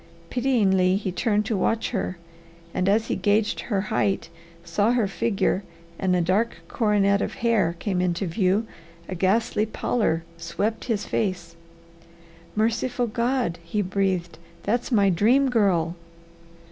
Pityingly he turned to watch her, and as he gauged her height, saw her figure, and a dark coronet of hair came into view, a ghastly pallor swept his face. "Merciful God!" he breathed, "that's my Dream Girl!"